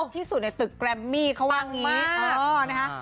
ที่สุดในตึกแกรมมี่เขาวางอย่างนี้มากนะฮะโอ๊ย